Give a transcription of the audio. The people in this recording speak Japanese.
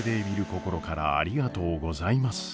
心からありがとうございます。